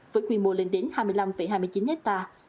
với quy mô lên đến hai mươi năm hai mươi chín hectare